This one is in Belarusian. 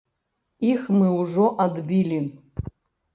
Іх мы ўжо адбілі.